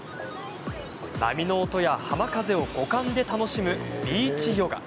波の音や浜風を五感で楽しむビーチヨガ。